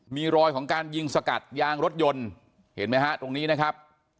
มีรอยของการยิงสกัดยางรถยนต์เห็นไหมฮะตรงนี้นะครับ